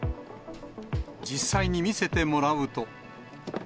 実際に見せてもらうと。